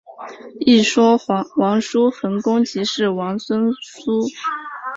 一说王叔桓公即是王孙苏。